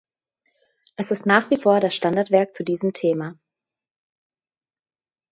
Es ist nach wie vor das Standardwerk zu diesem Thema.